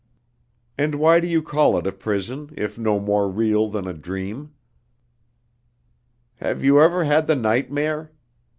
"And why do you call it a prison, if no more real than a dream?" "Have you ever had the nightmare?